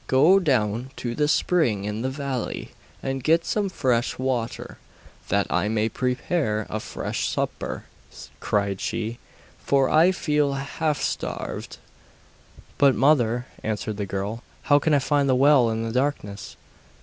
'Go down to the spring in the valley, and get some fresh water, that I may prepare a fresh supper,' cried she, 'for I feel half starved.' 'But, mother,' answered the girl, 'how can I find the well in this darkness?